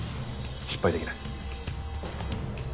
失敗できない。